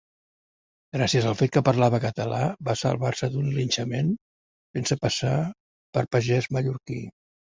Gràcies al fet que parlava català, va salvar-se d'un linxament fent-se passar per pagès mallorquí.